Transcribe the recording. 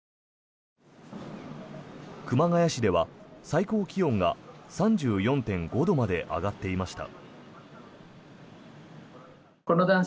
熊谷市では最高気温が３４．５度まで上がっていました。